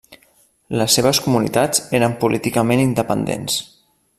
Les seves comunitats eren políticament independents.